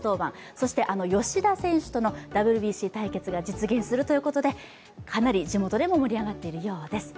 そして吉田選手とのＷＢＣ対決が実現するということで、かなり地元でも盛り上がっているようです。